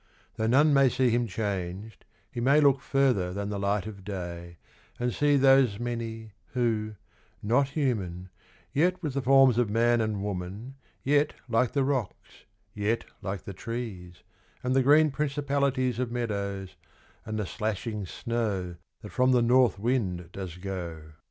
Though none may see him changed, he may Look further than the light of day And see those many, who, not human Yet with the forms of man and woman Yet like the rocks, yet like the trees And the green principalities Of meadows, and the slashing snow That from the north wind does go, 72 ; Experience.